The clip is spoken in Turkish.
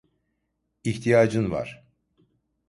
İhtiyacın var.